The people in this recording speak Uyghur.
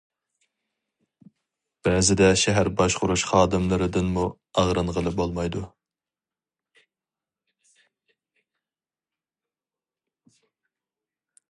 بەزىدە شەھەر باشقۇرۇش خادىملىرىدىنمۇ ئاغرىنغىلى بولمايدۇ.